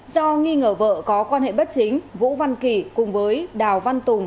do nghi ngờ vợ có quan hệ bất chính vũ văn kỳ cùng với đào văn tùng